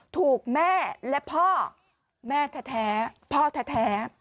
ถูกแม่และพ่อแม่แท้พ่อแท้